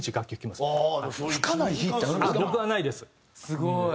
すごい！